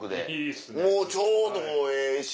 もうちょうどええし。